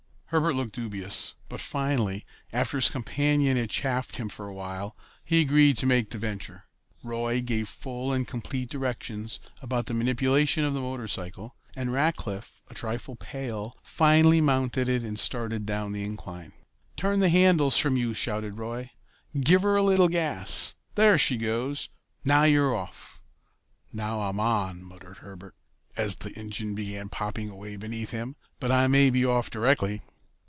Herbert looked dubious, but finally, after his companion had chaffed him a while, he agreed to make the venture. Roy gave full and complete directions about the manipulation of the motorcycle, and Rackliff, a trifle pale, finally mounted it and started down the incline. "Turn the handles from you," shouted Roy. "Give her a little gas. There she goes. Now you're off." "Now I'm on," muttered Herbert, as the engine began popping away beneath him; "but I may be off directly."